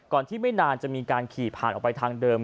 ที่ไม่นานจะมีการขี่ผ่านออกไปทางเดิม